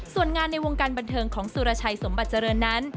ส่วนงานในวงการบันเทิงของสุรชัยสมบัติเจริญนั้น